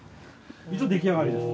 出来上がりです。